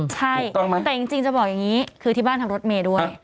ใช่แต่จริงจะบอกอย่างนี้คือที่บ้านทำรถเมย์ด้วย